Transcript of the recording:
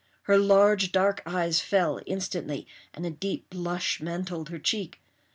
Her large dark eyes fell instantly, and a deep blush mantled her cheek.